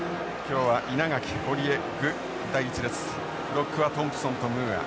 ロックはトンプソンとムーア。